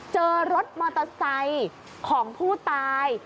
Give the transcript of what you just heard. เจอรถมอเตอร์ไซค์ของผู้ตาย